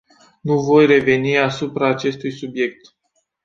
Nu voi reveni asupra acestui subiect.